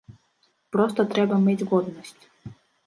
Проста трэба мець годнасць!